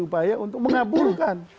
upaya untuk mengabulkan